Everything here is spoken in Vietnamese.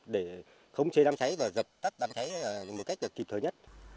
để khống chế đám cháy và dập tắt đám cháy một cách kịp thời nhất